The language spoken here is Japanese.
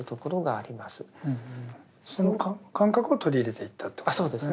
その感覚を取り入れていったということですね。